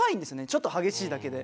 ちょっと激しいだけで。